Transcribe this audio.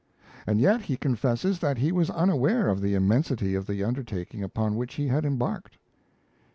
And yet he confesses that he was unaware of the immensity of the undertaking upon which he had embarked.